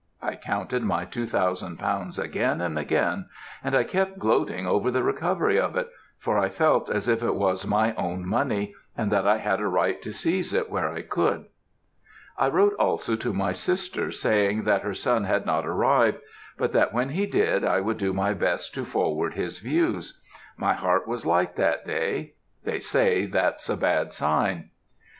I counted my two thousand pounds again and again, and I kept gloating over the recovery of it for I felt as if it was my own money, and that I had a right to seize it where I could. I wrote also to my sister, saying, that her son had not arrived; but that when he did, I would do my best to forward his views. My heart was light that day they say that's a bad sign.